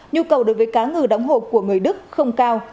nhu cầu đối với cá ngừ đóng hộp của người đức không cao